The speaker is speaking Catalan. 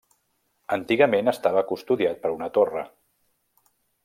Antigament estava custodiat per una torre.